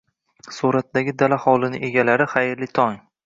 Suratdagi dala hovlining "egalari", xayrli tong!